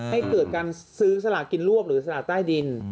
ให้เกิดการซื้อสลากินรวบหรือสลากใต้ดิน